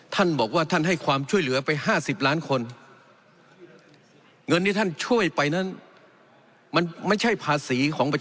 ท่านบอกว่าท่านให้ความช่วยเหลือไป๕๐ล้านคน